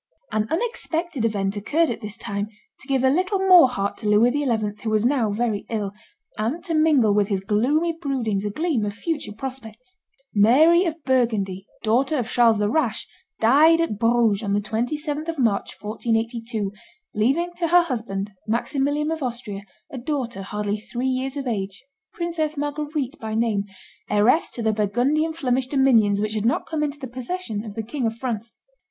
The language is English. An unexpected event occurred at this time to give a little more heart to Louis XI., who was now very ill, and to mingle with his gloomy broodings a gleam of future prospects. Mary of Burgundy, daughter of Charles the Rash, died at Bruges on the 27th of March, 1482, leaving to her husband, Maximilian of Austria, a daughter, hardly three years of age, Princess Marguerite by name, heiress to the Burgundian Flemish dominions which had not come into the possession of the King of France.